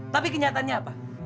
tapi kenyataannya apa